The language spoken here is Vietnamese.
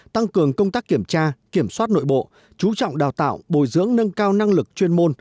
tăng cường công tác kiểm tra kiểm soát nội bộ chú trọng đào tạo bồi dưỡng nâng cao năng lực chuyên môn